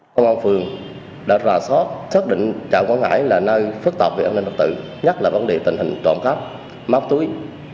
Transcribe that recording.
công an phường đã ra soát xác định trạng quảng ngãi là nơi phức tạp về an ninh đặc tự nhất là vấn đề tình hình trộm cắp móc túi